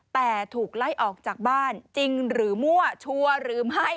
แต่ถูกไล่ออกจากบ้านจริงหรือมั่วชัวร์หรือไม่